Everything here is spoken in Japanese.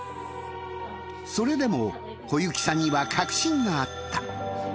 それでも小雪さんには確信があった。